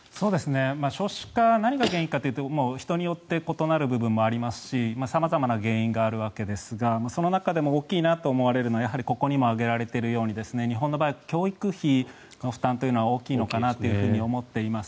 少子化何が原因かというと人によって異なる部分もありますし様々な原因があるわけですがその中でも大きいと思われるのは日本の場合は教育費の負担というのが大きいのかなと思っています。